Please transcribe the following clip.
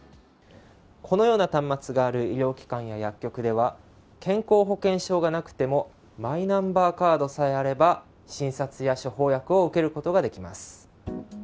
このような端末がある医療機関や薬局では健康保険証がなくてもマイナンバーカードさえあれば診察や処方薬を受けることができます。